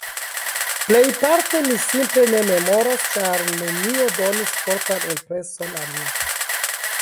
Plejparte mi simple ne memoras, ĉar nenio donis fortan impreson al mi.